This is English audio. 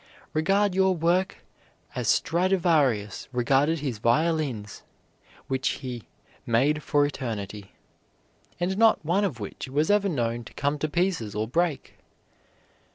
Regard your work as Stradivarius regarded his violins, which he "made for eternity," and not one of which was ever known to come to pieces or break.